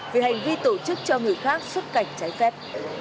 về hành vi tổ chức cho người khác xuất cảnh trái phép